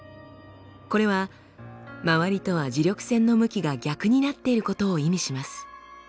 これは周りとは磁力線の向きが逆になっていることを意味します。